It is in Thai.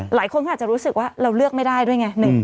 หลายคนก็อาจจะรู้สึกว่าเราเลือกไม่ได้ด้วยไง